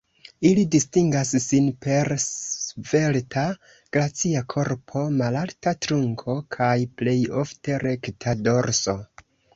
Ili distingas sin per svelta, gracia korpo, malalta trunko kaj plej ofte rekta dorso.